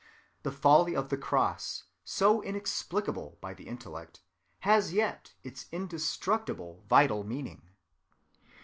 The folly of the cross, so inexplicable by the intellect, has yet its indestructible vital meaning.